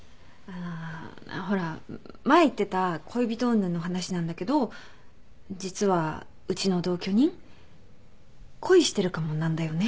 ほら前言ってた恋人うんぬんの話なんだけど実はうちの同居人恋してるかもなんだよね。